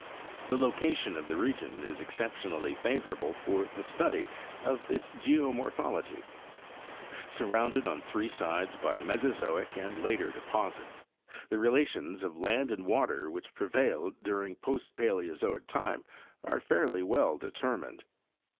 The location of the region is exceptionally favorable for the study of its geomorphology. Surrounded on three sides by Mesozoic and later deposits, the relations of land and water which prevailed during post Paleozoic time are fairly well determined.